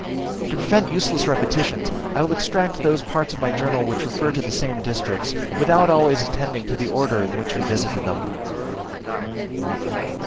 To prevent useless repetitions, I will extract those parts of my journal which refer to the same districts without always attending to the order in which we visited them.